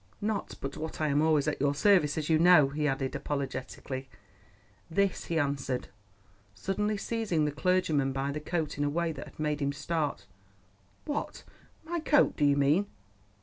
Not but what I am always at your service, as you know," he added apologetically. "This," he answered, suddenly seizing the clergyman by the coat in a way that made him start. "What—my coat, do you mean?"